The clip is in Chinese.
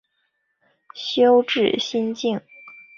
修智心净。